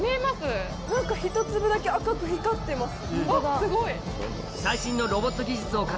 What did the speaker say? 何か一粒だけ赤く光ってます。